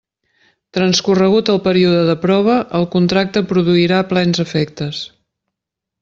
Transcorregut el període de prova, el contracte produirà plens efectes.